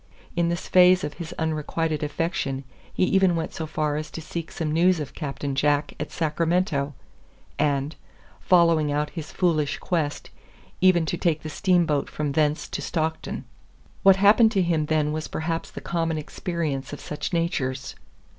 In this phase of his unrequited affection he even went so far as to seek some news of Captain Jack at Sacramento, and, following out his foolish quest, even to take the steamboat from thence to Stockton. What happened to him then was perhaps the common experience of such natures.